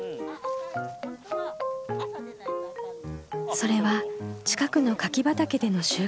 それは近くの柿畑での収穫。